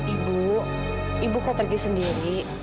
ibu ibu kau pergi sendiri